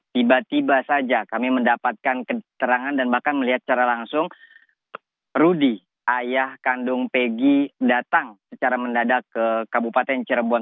tiba tiba saja kami mendapatkan keterangan dan bahkan melihat secara langsung rudy ayah kandung pegi datang secara mendadak ke kabupaten cirebon